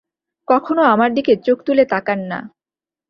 কখনো আমার দিকে চোখ তুলে তাকান না।